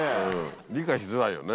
理解しづらいよね。